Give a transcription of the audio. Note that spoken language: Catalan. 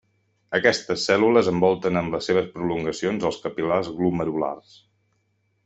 Aquestes cèl·lules envolten amb les seves prolongacions els capil·lars glomerulars.